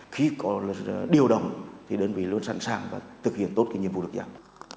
khi có điều đồng thì đơn vị luôn sẵn sàng và thực hiện tốt cái nhiệm vụ được giảm